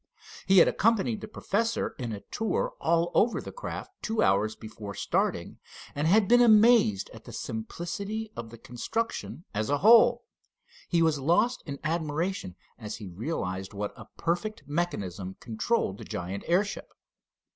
He had accompanied the professor in a tour all over the craft two hours before starting, and had been amazed at the simplicity of the construction as a whole. He was lost in admiration as he realized what a perfect mechanism controlled the giant airship.